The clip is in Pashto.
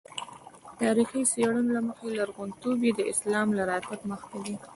تاریخي څېړنو له مخې لرغونتوب یې د اسلام له راتګ مخکې دی.